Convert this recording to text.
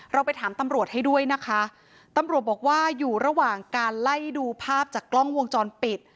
เราไปถามตำรวจให้ด้วยนะคะตำรวจบอกว่าอยู่ระหว่างการไล่ดูภาพจากกล้องวงจรปิด